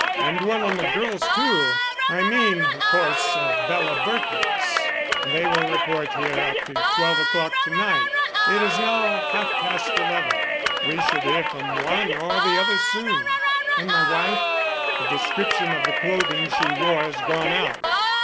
"And one on the girl's too; I mean, of course, Bela Burton's. They will report here up to twelve o'clock to night. It is now half past eleven. We should hear from one or the other soon." "And my wife?" "A description of the clothing she wore has gone out.